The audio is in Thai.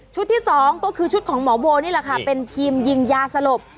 ที่สองก็คือชุดของหมอโบนี่แหละค่ะเป็นทีมยิงยาสลบ